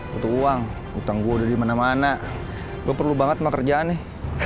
butuh uang hutang gue udah dimana mana gue perlu banget mekerjaan nih